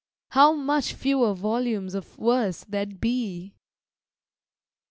How much fewer volumes of verse there'd be!